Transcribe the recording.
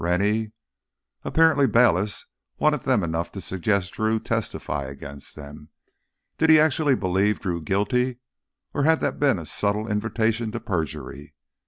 Rennie? Apparently Bayliss wanted them enough to suggest Drew testify against them. Did he actually believe Drew guilty, or had that been a subtle invitation to perjury?